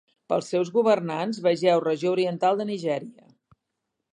Pels seus governants vegeu Regió Oriental de Nigèria.